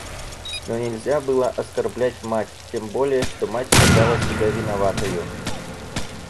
Но нельзя было оскорблять мать, тем более что мать считала себя виноватою.